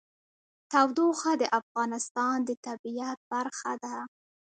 تودوخه د افغانستان د طبیعت برخه ده.